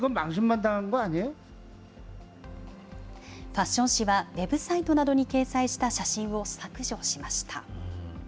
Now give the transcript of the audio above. ファッション誌はウェブサイトなどに掲載した写真を削除しま